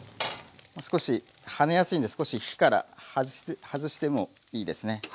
少しはねやすいんで少し火から外してもいいですね。